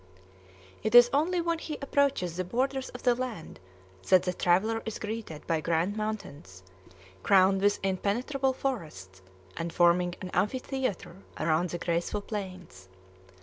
It is only when he approaches the borders of the land that the traveller is greeted by grand mountains, crowned with impenetrable forests, and forming an amphitheatre around the graceful plains.